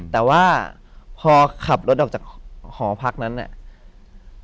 แต่ว่าพอขับรถออกจากหอพักนั้นเนี่ย